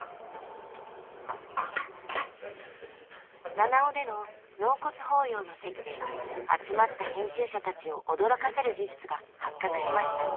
七尾での納骨法要の席で集まった編集者たちを驚かせる事実が発覚しました。